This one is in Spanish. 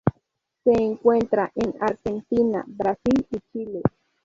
Se encuentra en Argentina, Brasil y Chile.